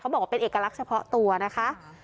บอกว่าเป็นเอกลักษณ์เฉพาะตัวนะคะ